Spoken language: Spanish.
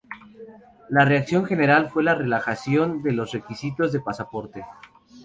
La reacción general fue la relajación de los requisitos de pasaporte.